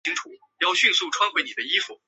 围口冠蛭蚓为蛭蚓科冠蛭蚓属的动物。